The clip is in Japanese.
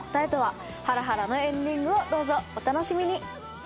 ハラハラのエンディングをどうぞお楽しみに！